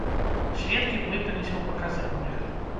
Сведкі блыталіся ў паказаннях.